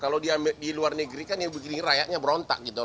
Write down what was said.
kalau di luar negeri kan yang begini rayaknya berontak gitu loh